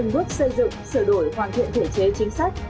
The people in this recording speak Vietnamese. từng bước xây dựng sửa đổi hoàn thiện thể chế chính sách